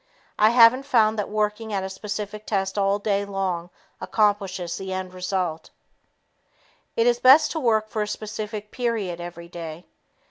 I haven't found that working at a specific test all day long accomplishes the end result. It is best to work for a specific period every day.